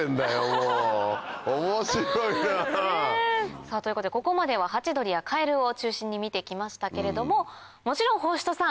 もう面白いなぁ！ということでここまではハチドリやカエルを中心に見てきましたけれどももちろん法師人さん